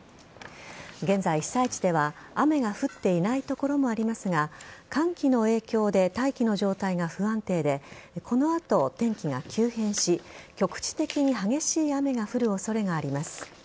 現在、被災地では雨が降っていない所もありますが寒気の影響で大気の状態が不安定でこの後、天気が急変し局地的に激しい雨が降る恐れがあります。